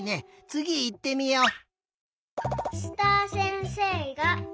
つぎいってみよう。